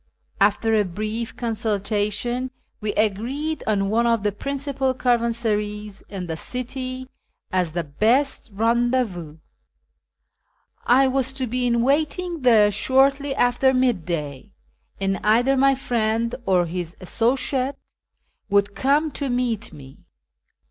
After a brief consultation we agreed on one of the principal caravansarays in the city as the best rendez vous. I was to be in M aiting there shortly after midday, and either my friend or his associate would come to meet me.